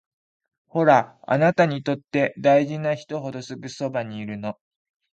ほら、あなたにとって大事な人ほどすぐそばにいるの